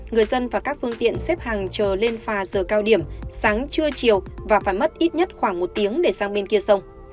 người dân và các phương tiện xếp hàng chờ lên phà giờ cao điểm sáng trưa chiều và phải mất ít nhất khoảng một tiếng để sang bên kia sông